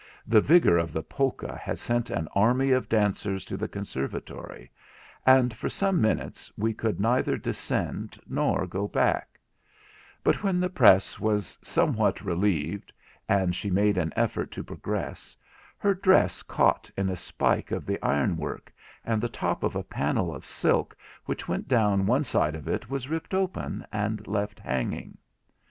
The vigour of the polka had sent an army of dancers to the conservatory, and for some minutes we could neither descend nor go back; but when the press was somewhat relieved, and she made an effort to progress, her dress caught in a spike of the iron work, and the top of a panel of silk which went down one side of it was ripped open and left hanging.